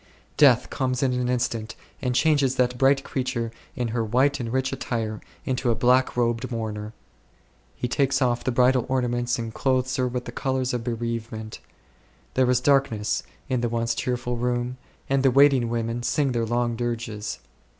Death comes in an instant and changes that bright creature in her white and rich attire into a black robed mourner. He takes off the bridal ornaments and clothes her with the colours of bereavement. There is darkness in the once cheerful room, and the waiting women sing their long dirges.